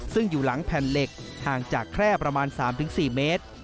ซึ่งอยู่หลังแผ่นเหล็กห่างจากแคร่ประมาณ๓๔เมตร